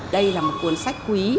đây là một cuốn sách quý